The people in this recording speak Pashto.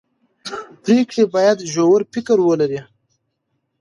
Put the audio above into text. پرېکړې باید ژور فکر ولري